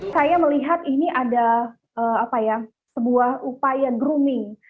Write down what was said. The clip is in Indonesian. saya melihat ini ada sebuah upaya grooming